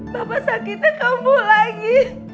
bapak sakitnya kembuh lagi